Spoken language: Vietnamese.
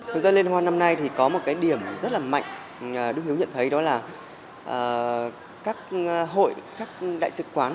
thực ra liên hoan năm nay có một điểm rất mạnh đức hiếu nhận thấy đó là các hội các đại sứ quán